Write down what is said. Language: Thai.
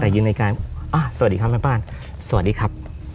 แต่ยืนในการสวัสดีครับแม่บ้านสวัสดีครับ